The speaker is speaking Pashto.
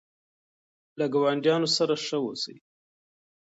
له ګاونډیانو سره ښه اوسئ.